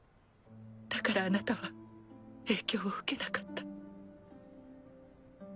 だからあなたは影響を受けなかった。